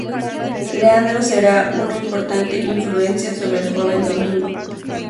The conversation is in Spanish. Leandro será una importante influencia sobre el joven Domingo.